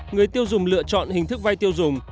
người tiêu dùng lựa chọn hình thức vay tiêu dùng